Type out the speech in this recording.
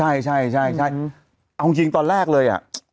เอาจริงกันตอนแรกเลยอะ